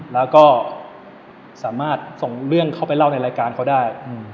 แล้วก็สามารถส่งเรื่องเข้าไปเล่าในรายการเขาได้